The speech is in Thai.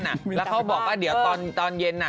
แล้วเขาบอกว่าเดี๋ยวตอนเย็น